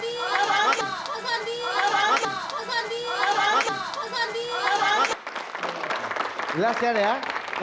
mereka mereka mereka mereka mereka